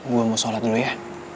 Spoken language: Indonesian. gue mau sholat dulu ya